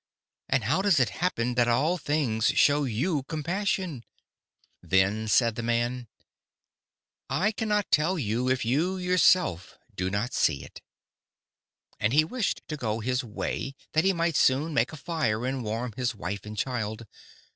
And how does it happen that all things show you compassion?' "Then said the man: 'I cannot tell you if you yourself do not see it.' And he wished to go his way, that he might soon make a fire and warm his wife and child.